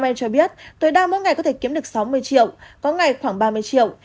nam em cho biết tôi đang mỗi ngày có thể kiếm được sáu mươi triệu có ngày khoảng ba mươi triệu